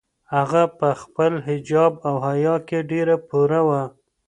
هغه په خپل حجاب او حیا کې ډېره پوره وه.